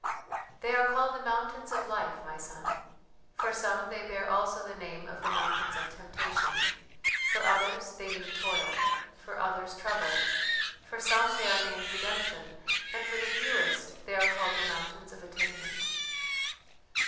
"They are called the mountains of Life, my son. For some they bear also the name of the mountains of Temptation; for others they mean Toil; for others Trouble; for some they are named Redemption, and for the fewest they are called the mountains of Attainment."